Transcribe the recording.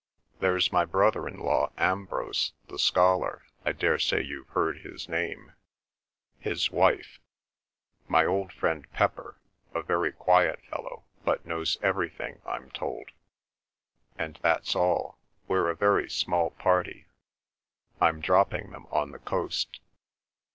"There's my brother in law, Ambrose, the scholar (I daresay you've heard his name), his wife, my old friend Pepper, a very quiet fellow, but knows everything, I'm told. And that's all. We're a very small party. I'm dropping them on the coast."